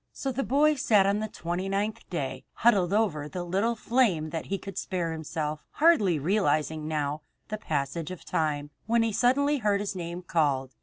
So the boy sat on the twenty ninth day, huddled over the little flame that he could spare himself, hardly realizing now the passage of time, when he suddenly heard his name called.